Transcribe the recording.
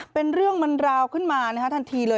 เป็นเรื่องมันราวขึ้นมาทันทีเลย